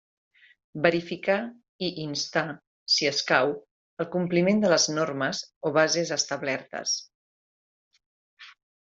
Verificar i instar, si escau, el compliment de les normes o bases establertes.